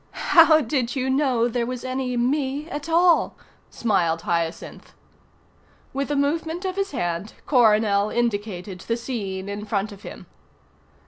"How did you know there was any me at all?" smiled Hyacinth. With a movement of his hand Coronel indicated the scene in front of him.